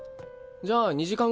じゃあ２時間後に。